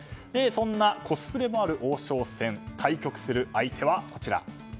そんなコスプレもある王将戦、対局する相手はこちら。